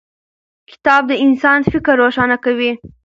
کتاب د انسان فکر روښانه کوي.